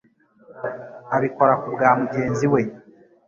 abikora ku bwa mugenzi we.